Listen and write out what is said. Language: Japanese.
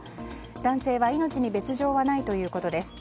男性は命に別条はないということです。